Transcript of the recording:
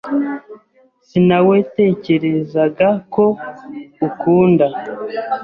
Sinawetekerezaga ko ukunda .